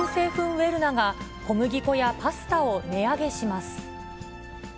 ウェルナが小麦粉やパスタを値上げします。